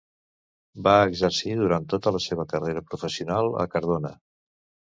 Va exercir durant tota la seva carrera professional a Cardona.